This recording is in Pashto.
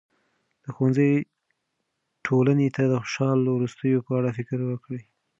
د ښوونځي ټولنې ته د خوشاله وروستیو په اړه فکر وکړي.